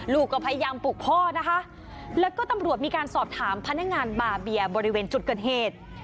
ลูกก็พยายามปลูกพ่อนะคะแล้วก็ตำรวจมีการสอบถามพนักงานบาเบียบริเวณจุดเกิดเหตุ